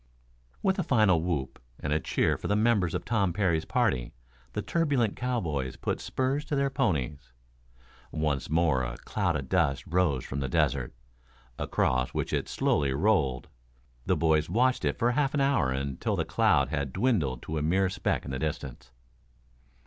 With a final whoop and a cheer for the members of Tom Parry's party, the turbulent cowboys put spurs to their ponies. Once more a cloud of dust rose from the desert, across which it slowly rolled. The boys watched it for half an hour, until the cloud had dwindled to a mere speck in the distance.